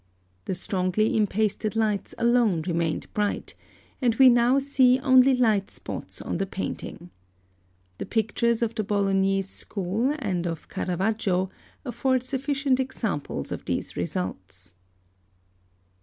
The strongly impasted lights alone remained bright, and we now see only light spots on the painting. The pictures of the Bolognese school, and of Caravaggio, afford sufficient examples of these results.